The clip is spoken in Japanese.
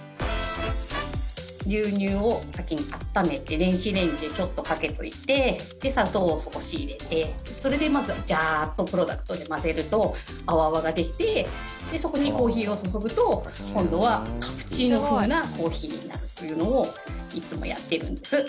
牛乳を先に温めて電子レンジにちょっとかけておいて砂糖を少し入れてそれでまずジャーッとプロドゥクトで混ぜるとアワアワができてそこにコーヒーを注ぐと今度はカプチーノ風のコーヒーになるというのをいつもやってるんです。